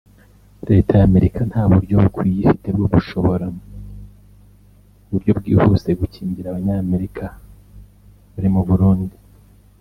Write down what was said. Leta y’Amerika nta buryo bukwiye ifite bwo gushobora mu buryo bwihuse gukingira Abanyamerika bari mu Burundi